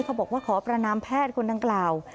บอกว่าขอประนามแพทย์คนดังกล่าว